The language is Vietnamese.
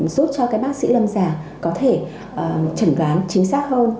giúp cho bác sĩ lâm giả có thể chuẩn đoán chính xác hơn